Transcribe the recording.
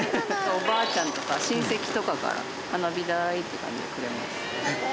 おばあちゃんとか親戚とかから花火代って感じでくれます。